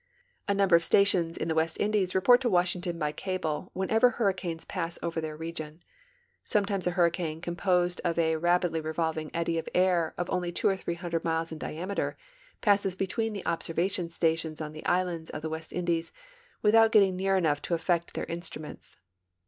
A number of stations in the West Indies report to Washington by cable Avhenever hurricanes pass over their region. Sometimes a hurricane composed of a rap idly revolving eddy of air of only two or three hundred miles in diameter passes between the observation stations on the islands of the West Indies without getting near enough to affect their instruments.